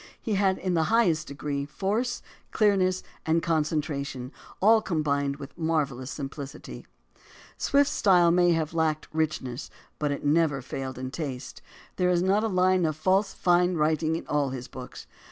He had in the highest degree force, 240 AS TO ANTHOLOGIES clearness, and concentration all combined with a marvellous simplicity. Swift's style may have lacked richness, but it never failed in taste. There is not a line of false fine writing in all his books.